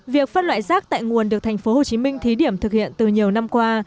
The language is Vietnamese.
việc phân loại rác tại nguồn được thành phố hồ chí minh thí điểm thực hiện từ nhiều năm qua